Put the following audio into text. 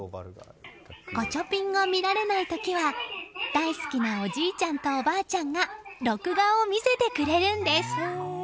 ガチャピンが見られない時は大好きなおじいちゃんとおばあちゃんが録画を見せてくれるんです。